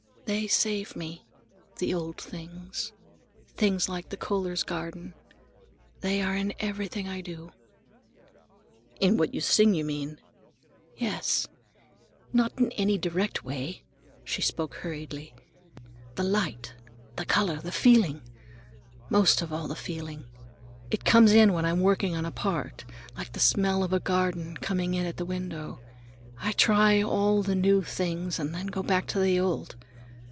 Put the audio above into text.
"They save me: the old things, things like the Kohlers' garden. They are in everything I do." "In what you sing, you mean?" "Yes. Not in any direct way,"—she spoke hurriedly,—"the light, the color, the feeling. Most of all the feeling. It comes in when I'm working on a part, like the smell of a garden coming in at the window. I try all the new things, and then go back to the old.